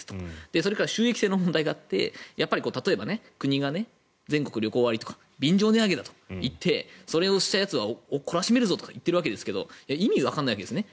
それから収益性の問題だってやっぱり例えば国が全国旅行割とか便乗値上げだといってそれをしたやつは懲らしめるぞと言っているわけですが意味がわからないわけですね。